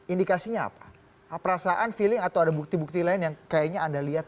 indikasinya apa perasaan feeling atau ada bukti bukti lain yang kayaknya anda lihat